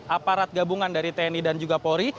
aparat gabungan dari tni dan juga polri